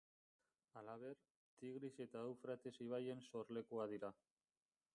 Halaber, Tigris eta Eufrates ibaien sorlekua dira.